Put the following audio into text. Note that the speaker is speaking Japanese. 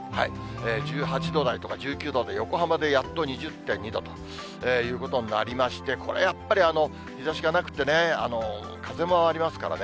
１８度台とか１９度と、横浜でやっと２０．２度ということになりまして、これやっぱり、日ざしがなくってね、風もありますからね、